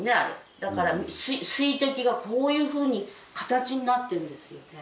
だから水滴がこういうふうに形になってるんですよね。